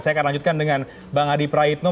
saya akan lanjutkan dengan bang adi praitno